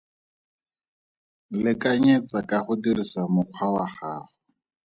Lekanyetsa ka go dirisa mokgwa wa gago.